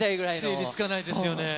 整理つかないですよね。